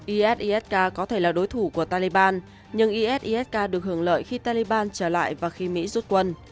is isk có thể là đối thủ của taliban nhưng is isk được hưởng lợi khi taliban trở lại và khi mỹ rút quân